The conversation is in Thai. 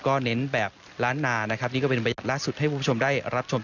ก็เน้นแบบล้านนานะครับ